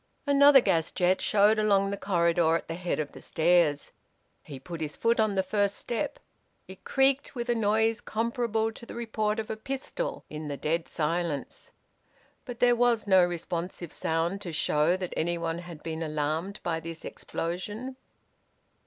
Another gas jet showed along the corridor at the head of the stairs. He put his foot on the first step; it creaked with a noise comparable to the report of a pistol in the dead silence. But there was no responsive sound to show that anyone had been alarmed by this explosion.